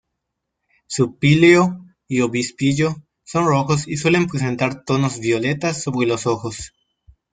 Su píleo y obispillo son rojos y suelen presentar tonos violetas sobre los ojos.